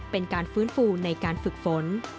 เป็นการฟื้นฟูในการฝึกฝน